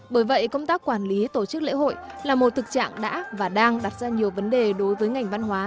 bởi vậy công tác quản lý tổ chức lễ hội là một thực trạng đã và đang đặt ra nhiều vấn đề đối với ngành văn hóa